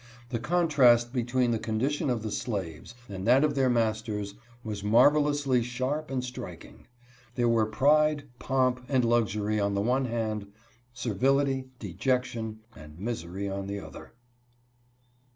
The contrast between the condition of the slaves and that of their masters was mar velously sharp and striking. There were pride, pomp, and luxury on the one hand, servility, dejection, and misery on the other.